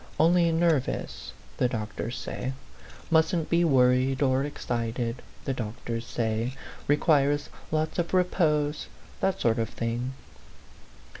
Only nervous, the doctors say; mustn't be wor 15 ried or excited, the doctors say; requires lots of repose that sort of thing."